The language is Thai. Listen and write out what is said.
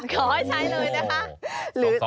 ขอให้ใช้เลยนะคะ